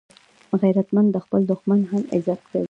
غیرتمند د خپل دښمن هم عزت کوي